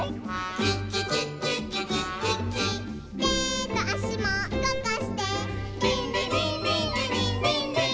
「てとあしもうごかして」「リンリリンリンリリンリンリン」